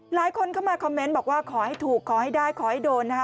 หลายคนเข้ามาคอมเมนต์บอกว่าขอให้ถูกขอให้ได้ขอให้โดนนะคะ